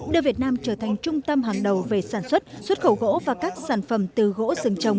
đưa việt nam trở thành trung tâm hàng đầu về sản xuất xuất khẩu gỗ và các sản phẩm từ gỗ rừng trồng